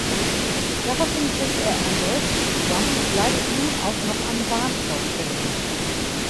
Daraufhin bricht er erneut zusammen und leidet nun auch noch an Wahnvorstellungen.